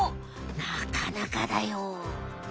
なかなかだよ。